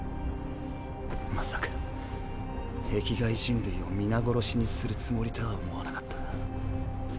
まさか壁外人類を皆殺しにするつもりとは思わなかったが。